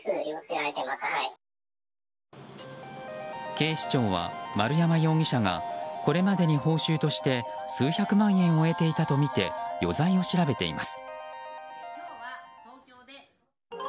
警視庁は丸山容疑者がこれまでに報酬として数百万円を得ていたとみて余罪を調べています。